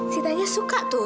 sita nya suka tuh